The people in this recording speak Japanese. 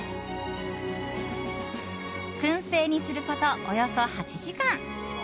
燻製にすること、およそ８時間。